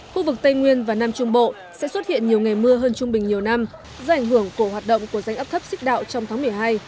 khu vực tây nguyên và nam trung bộ sẽ xuất hiện nhiều ngày mưa hơn trung bình nhiều năm do ảnh hưởng của hoạt động của rãnh áp thấp xích đạo trong tháng một mươi hai